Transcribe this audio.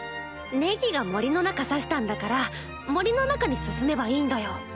ネギが森の中指したんだから森の中に進めばいいんだよ。